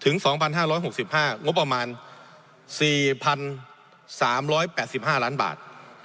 งบประมาณ๔๓๖๒ล้านบาท